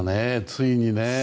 ついにね。